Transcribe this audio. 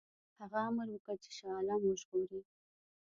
هغه امر وکړ چې شاه عالم وژغوري.